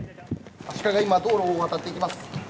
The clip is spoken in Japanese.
鹿が今道路を渡っていきます。